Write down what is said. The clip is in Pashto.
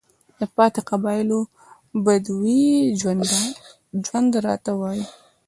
د پاتې قبايلو بدوى ژوند راته وايي،